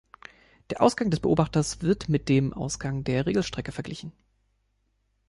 Der Ausgang des Beobachters wird mit dem Ausgang der Regelstrecke verglichen.